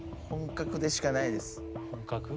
「本格」でしかないです